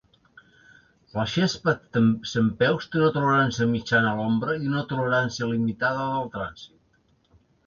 La gespa centpeus té una tolerància mitjana a l'ombra i una tolerància limitada del trànsit.